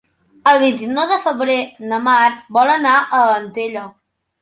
El vint-i-nou de febrer na Mar vol anar a Antella.